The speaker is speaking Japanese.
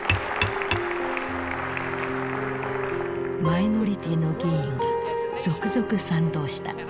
マイノリティーの議員が続々賛同した。